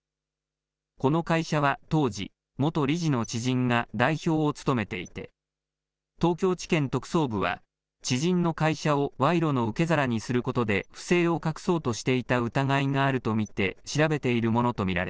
この会社は当時、元理事の知人が代表を務めていて、東京地検特捜部は、知人の会社を賄賂の受け皿にすることで、不正を隠そうとしていた疑いがあると見て、調べているものと見ら